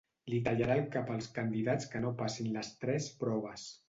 Li tallarà el cap als candidats que no passin les tres proves.